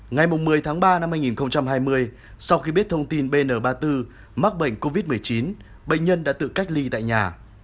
ngày một mươi tháng ba năm hai nghìn hai mươi sau khi biết thông tin bn ba mươi bốn mắc bệnh covid một mươi chín bệnh nhân đã tự cách ly tại nhà